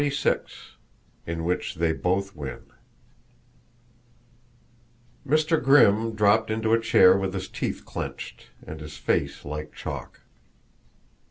XXVI IN WHICH THEY BOTH WIN Mr. Grimm dropped into a chair with his teeth clenched, and his face like chalk.